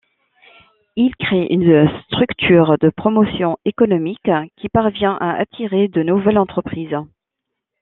Il crée une structure de promotion économique qui parvient à attirer de nouvelles entreprises.